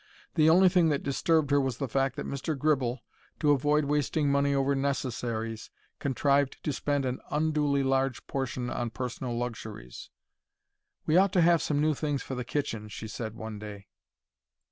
The only thing that disturbed her was the fact that Mr. Gribble, to avoid wasting money over necessaries, contrived to spend an unduly large portion on personal luxuries. "We ought to have some new things for the kitchen," she said one day.